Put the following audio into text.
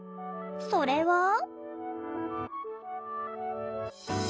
それは。